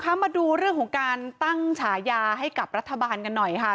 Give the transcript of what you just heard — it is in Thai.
มาดูเรื่องของการตั้งฉายาให้กับรัฐบาลกันหน่อยค่ะ